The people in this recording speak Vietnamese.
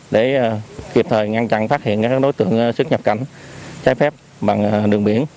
để kịp thời ngăn chặn phát hiện các đối tượng xuất nhập cảnh trái phép bằng đường biển